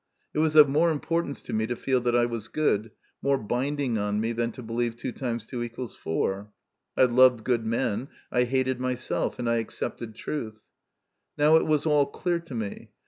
It was of more importance to me to feel that I was good, more binding on me, than to believe 2x2 = 4. I loved good men, I hated myself, and I accepted truth. Now it was all clear to me.